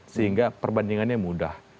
sehingga perbandingannya mudah